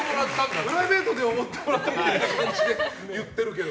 プライベートでおごってもらった感じで言ってるけど。